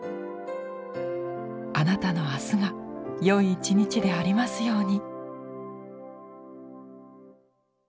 あなたの明日がよい一日でありますように。